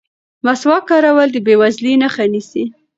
مسواک کارول د بې وزلۍ مخه نیسي.